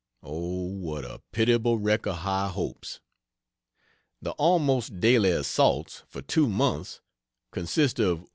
O, what a pitiable wreck of high hopes! The "almost daily" assaults, for two months, consist of 1.